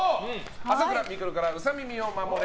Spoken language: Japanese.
朝倉未来からウサ耳を守れ！